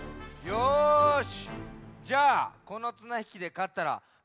よし！